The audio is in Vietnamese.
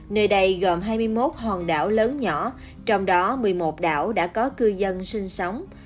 nơi đây gồm hai mươi một hòn đảo lớn nhỏ trong đó một mươi một đảo đã có cư dân sinh sống